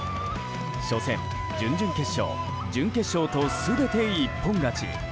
初戦、準々決勝、準決勝と全て一本勝ち。